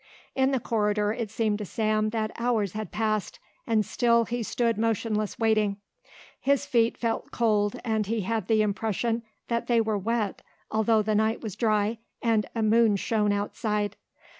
In the corridor it seemed to Sam that hours had passed and still he stood motionless waiting. His feet felt cold and he had the impression that they were wet although the night was dry and a moon shone outside.